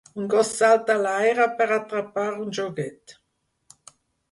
Un gos salta a l'aire per atrapar un joguet.